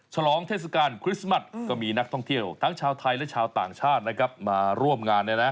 ลองเทศกาลคริสต์มัสก็มีนักท่องเที่ยวทั้งชาวไทยและชาวต่างชาตินะครับมาร่วมงานเนี่ยนะ